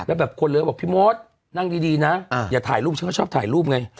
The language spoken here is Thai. แล้วแบบคนเลยก็บอกพี่มดนั่งดีนะอย่าถ่ายรูปฉันก็ชอบถ่ายรูปไง